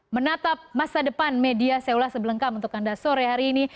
menatap masa depan media seolah sebelengkam untuk anda sore hari ini